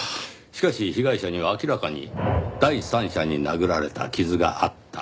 しかし被害者には明らかに第三者に殴られた傷があった。